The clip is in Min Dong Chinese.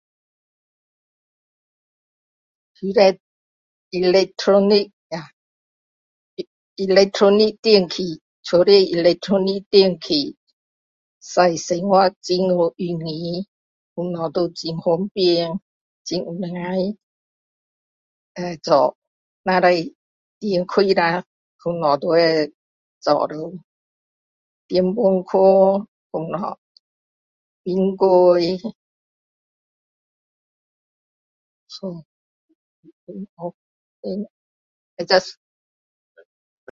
Electronic 啊electronic家里电器electronic 用时很容易什么都很方便很能够做不可以电开了什么都可以做了电饭锅还有冰箱送adjust